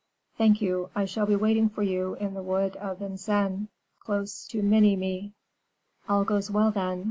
"Thank you. I shall be waiting for you in the wood of Vincennes, close to Minimes." "All goes well, then.